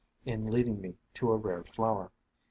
" in leading me to a rare flower.